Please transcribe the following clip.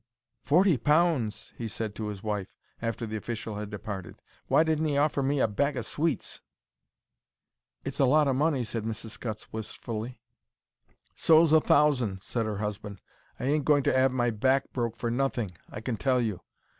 "Forty pounds!" he said to his wife, after the official had departed. "Why didn't 'e offer me a bag o' sweets?" "It's a lot o' money," said Mrs. Scutts, wistfully. "So's a thousand," said her husband. "I ain't going to 'ave my back broke for nothing, I can tell you.